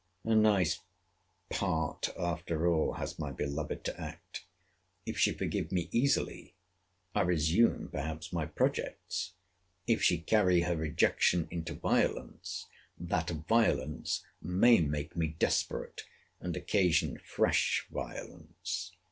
A nice part, after all, has my beloved to act. If she forgive me easily, I resume perhaps my projects:—if she carry her rejection into violence, that violence may make me desperate, and occasion fresh violence.